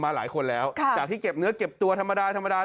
หลายคนแล้วจากที่เก็บเนื้อเก็บตัวธรรมดาธรรมดา